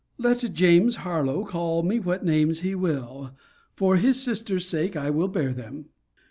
Let James Harlowe call me what names he will, for his sister's sake I will bear them.